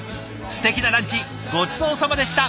すてきなランチごちそうさまでした。